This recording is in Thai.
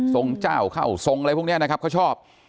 ทรงเจ้าเข้าทรงอะไรพวกนี้นะครับเขาชอบ